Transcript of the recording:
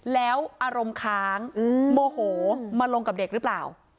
แล้วอารมณ์ค้างโมโหมาลงกับเด็กหรือเปล่า